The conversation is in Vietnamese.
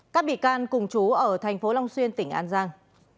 các bị can cùng chú ở thành phố long xuyên tỉnh an giang